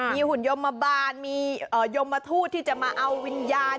มีหุ่นยมบาลมียมทูตที่จะมาเอาวิญญาณ